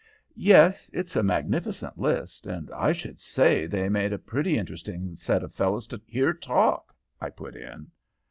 "'Yes, it's a magnificent list, and I should say they made a pretty interesting set of fellows to hear talk,' I put in.